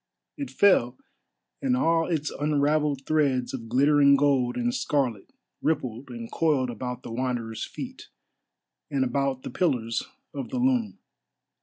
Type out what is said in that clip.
It fell, and all its unravelled threads of glittering gold and scarlet rippled and coiled about the Wanderer's feet, and about the pillars of the loom.